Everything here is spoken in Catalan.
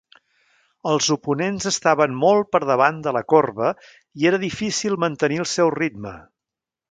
Els oponents estaven molt per davant de la corba i era difícil mantenir el seu ritme.